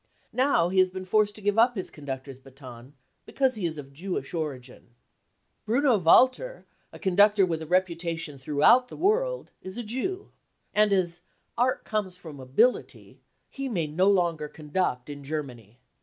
Now he has been forced to give up his conductor's baton because he is of Jewish origin. Bruno Walter, a conductor with a reputation throughout l8o BROWN BOOK OF THE HITLER TERROR the world, is a Jew. And as " Art homes from ability," he may no longer conduct in Germany.